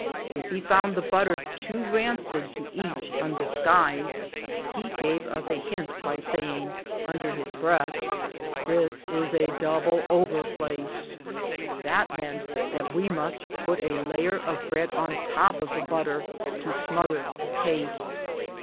If he found the butter too rancid to eat undisguised, he gave us a hint by saying, under his breath, " this is a double over place." That meant that we must put a layer of bread on top of the butter to smother the taste.